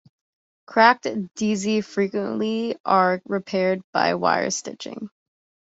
Cracked "deze" frequently are repaired by wire stitching.